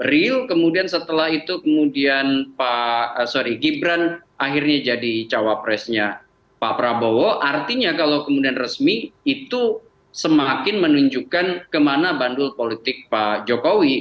real kemudian setelah itu kemudian pak sorry gibran akhirnya jadi cawapresnya pak prabowo artinya kalau kemudian resmi itu semakin menunjukkan kemana bandul politik pak jokowi